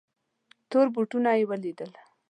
تور بوټونه یې ولیدل.